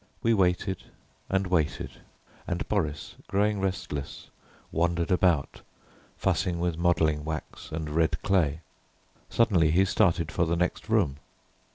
We waited and waited, and Boris, growing restless, wandered about, fussing with modelling wax and red clay. Suddenly he started for the next room.